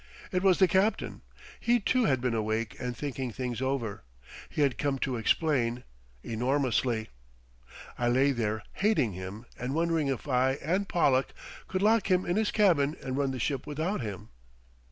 It was the captain. He, too, had been awake and thinking things over. He had come to explain—enormously. I lay there hating him and wondering if I and Pollack could lock him in his cabin and run the ship without him.